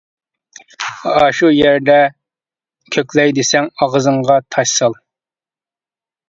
ئاشۇ يەردە كۆكلەي دېسەڭ، ئاغزىڭغا تاش سال.